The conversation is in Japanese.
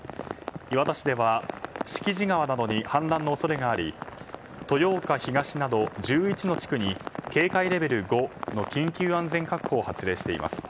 磐田市ではシキジ川などに氾濫の恐れがあり豊岡東など１１の地区に警戒レベル５の緊急安全確保を発令しています。